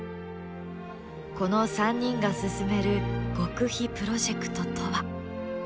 この３人が進める極秘プロジェクトとは？